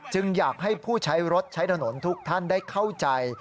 อยากให้ผู้ใช้รถใช้ถนนทุกท่านได้เข้าใจ